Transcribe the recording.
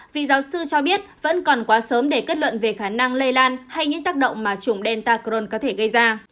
vì giáo sư cho biết vẫn còn quá sớm để kết luận về khả năng lây lan hay những tác động mà chủng delta cron có thể gây ra